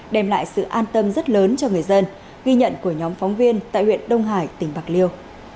đem lại sự an tâm rất lớn cho người dân ghi nhận của nhóm phóng viên tại huyện đông hải tỉnh bạc liêu